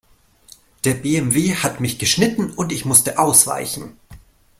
Der BMW hat mich geschnitten und ich musste ausweichen.